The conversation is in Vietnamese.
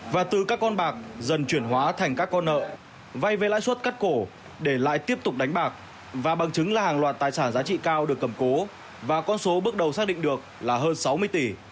và từ các con bạc dần chuyển hóa thành các con nợ vay với lãi suất cắt cổ để lại tiếp tục đánh bạc và bằng chứng là hàng loạt tài sản giá trị cao được cầm cố và con số bước đầu xác định được là hơn sáu mươi tỷ